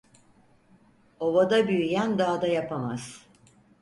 Ovada büyüyen dağda yapamaz…